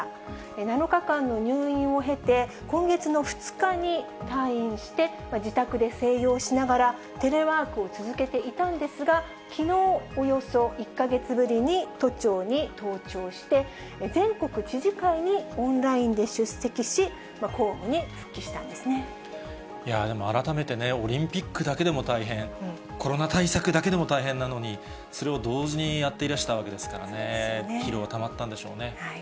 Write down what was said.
７日間の入院を経て、今月の２日に退院して、自宅で静養しながら、テレワークを続けていたんですが、きのう、およそ１か月ぶりに都庁に登庁して、全国知事会にオンラインで出席し、でも改めてね、オリンピックだけでも大変、コロナ対策だけでも大変なのに、それを同時にやっていらしたわけですからね、疲労たまったんでしょうね。